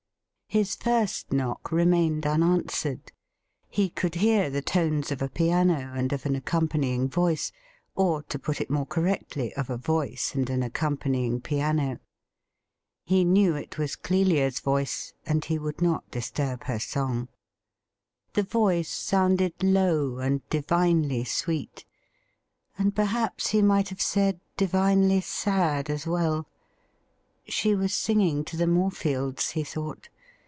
His first knock remained unanswered. He could hear the tones of a piano and of an accompanying voice, or, to put it more correctly, of a voice and an accompanying piano. He knew it was Clelia's voice, and he would not disturb her song. The voice sounded low and divinely sweet, and perhaps he might have said divinely sad as well. She was singing to the Morefields, he thought.